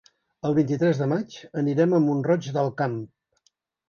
El vint-i-tres de maig anirem a Mont-roig del Camp.